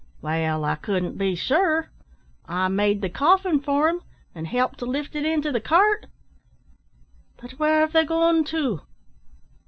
"Wall, I couldn't be surer. I made the coffin for 'em, and helped to lift it into the cart." "But where have they gone to?"